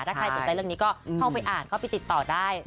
ถ้าใครติดได้เรื่องนี้ก็ต้องไปอ่านก็ไปติดต่อได้